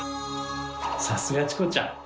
さすがチコちゃん！